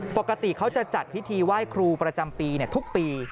ปกติเขาจะจัดพิธีไหว้ครูประจำปีทุกปี